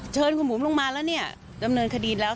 เชิญคุณบุ๋มลงมาแล้วเนี่ยดำเนินคดีแล้ว